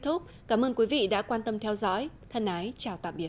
thúc cảm ơn quý vị đã quan tâm theo dõi thân ái chào tạm biệt